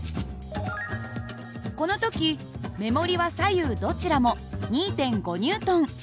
この時目盛りは左右どちらも２．５Ｎ。